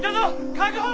確保！